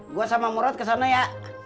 gue sama murad kesana ya